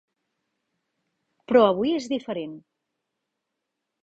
Però avui és diferent.